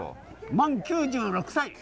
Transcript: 満９６歳！